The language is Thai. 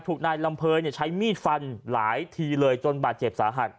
ถูกนายลำเภยใช้มีดฟันหลายทีเลยจนบาดเจ็บสาหัส